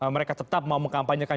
mereka tetap mau mengkampanyekan